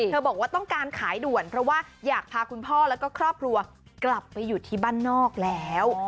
บอกว่าต้องการขายด่วนเพราะว่าอยากพาคุณพ่อแล้วก็ครอบครัวกลับไปอยู่ที่บ้านนอกแล้ว